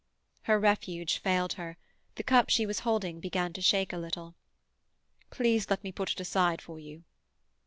Her refuge failed her. The cup she was holding began to shake a little. "Please let me put it aside for you."